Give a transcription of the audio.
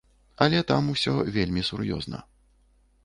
Але там усё вельмі сур'ёзна.